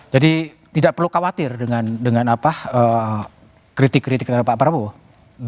jadi tidak perlu khawatir dengan kritik kritiknya pak prabowo